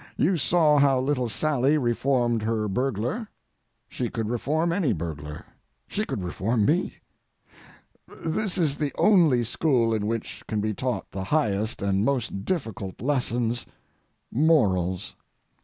You saw how little Sally reformed her burglar. She could reform any burglar. She could reform me. This is the only school in which can be taught the highest and most difficult lessons—morals.